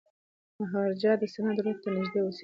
مهاراجا د سند رود ته نږدې اوسېده.